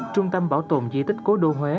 trung tâm bảo tồn di tích cố đô huế